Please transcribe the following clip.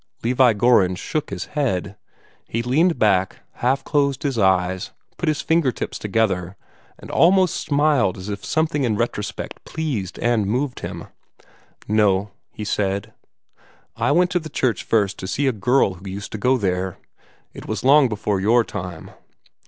Levi Gorringe shook his head. He leaned back, half closed his eyes, put his finger tips together, and almost smiled as if something in retrospect pleased and moved him. "No," he said; "I went to the church first to see a girl who used to go there. It was long before your time.